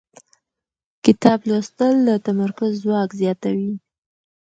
کتاب لوستل د تمرکز ځواک زیاتوي